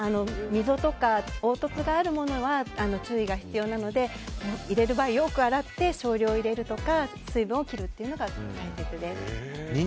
溝とか、凹凸があるものは注意が必要なので入れる場合、よく洗って少量を入れるとか水分を切るというのが大切です。